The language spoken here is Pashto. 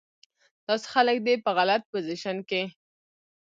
داسې خلک دې پۀ غلط پوزيشن کښې